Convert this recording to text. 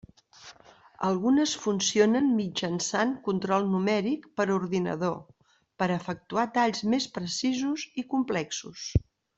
Algunes funcionen mitjançant Control numèric per ordinador per a efectuar talls més precisos i complexos.